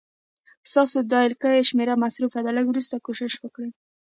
ستاسو ډائل کړې شمېره مصروفه ده، لږ وروسته کوشش وکړئ